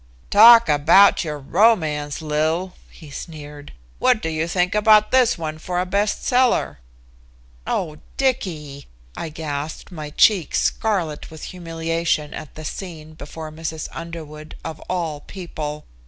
"Talk about your romance, Lil," he sneered, "what do you think about this one for a best seller?" "Oh, Dicky!" I gasped, my cheeks scarlet with humiliation at this scene before Mrs. Underwood, of all people.